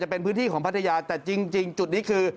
เป็นพื้นที่ของพัทยาแต่จริงจุดนี้คือ